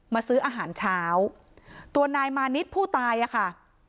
ซื้ออาหารเช้าตัวนายมานิดผู้ตายอ่ะค่ะ